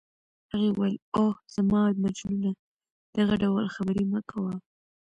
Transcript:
هغې وویل: اوه، زما مجنونه دغه ډول خبرې مه کوه.